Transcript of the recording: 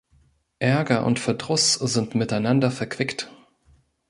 Ärger und Verdruss sind miteinander verquickt.